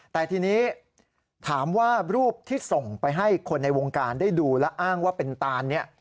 แต่ทีนี้ถามว่ารูปที่ส่งไปให้คนในวงการได้ดูและอ้างว่าเป็นตานเนี่ย